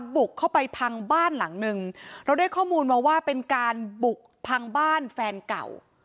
บุกเข้าไปพังบ้านหลังนึงเราได้ข้อมูลมาว่าเป็นการบุกพังบ้านแฟนเก่า